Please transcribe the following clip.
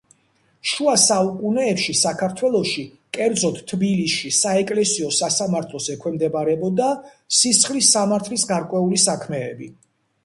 შუა საუკუნეებში საქართველოში, კერძოდ თბილისში საეკლესიო სასამართლოს ექვემდებარებოდა სისხლის სამართლის გარკვეული საქმეები.